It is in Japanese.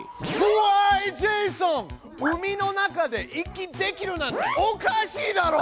ジェイソン海の中で息できるなんておかしいだろ！